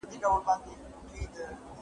موقف ټینګول د احترام سبب ګرځي.